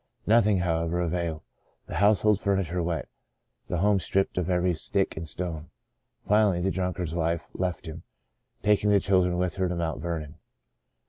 Nothing, however, availed. The household furniture went — the home stripped of every stick and stone. Finally the drunkard's wife left him, taking the child with her to Mount Vernon.